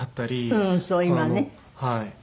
はい。